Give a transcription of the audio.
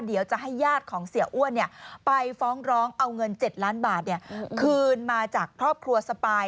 เดี๋ยวจะให้ญาติของเสียอ้วนไปฟ้องร้องเอาเงิน๗ล้านบาทคืนมาจากครอบครัวสปาย